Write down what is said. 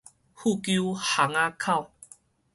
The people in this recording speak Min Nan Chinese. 富久巷仔口